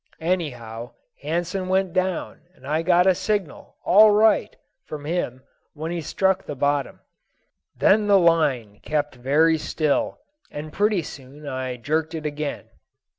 "Anyhow, Hansen went down, and I got a signal 'All right' from him when he struck the bottom. Then the line kept very still, and pretty soon I jerked it again.